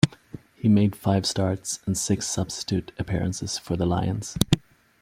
He made five starts and six substitute appearances for the Lions.